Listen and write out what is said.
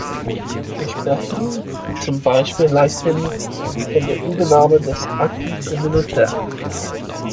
Wir sprechen zum Beispiel leichthin von der Übernahme des acquis communautaire .